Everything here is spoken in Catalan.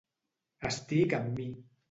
Estic en mi.